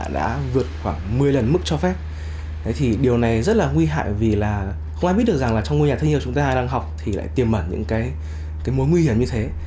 đấy thì điều này rất là nguy hại vì là không ai biết được rằng là trong ngôi nhà thân hiệu chúng ta đang học thì lại tiềm mẩn những cái mối nguy hiểm như thế